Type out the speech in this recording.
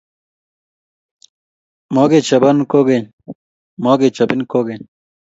Mokechobon kokeny mokechobin kokeny?